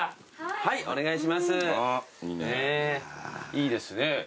いいですね。